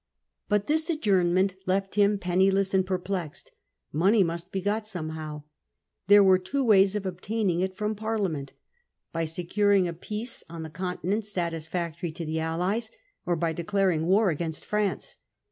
But this adjournment left him penniless and perplexed. Money must be got somehow. There were two ways of obtaining it from Parliament — by securing a peace on the Continent satisfactory to the allies, or by declaring war against France.